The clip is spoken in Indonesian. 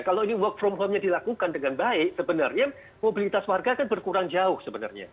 kalau ini work from home nya dilakukan dengan baik sebenarnya mobilitas warga kan berkurang jauh sebenarnya